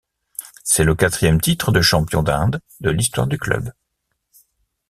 C'est le quatrième titre de champion d'Inde de l'histoire du club.